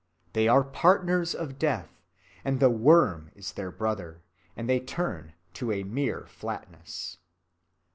They are partners of death and the worm is their brother, and they turn to a mere flatness.